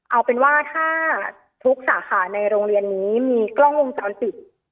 เอาเป็นว่าถ้าทุกสาขาในโรงเรียนนี้มีกล้องวงจรปิด